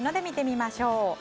見てみましょう。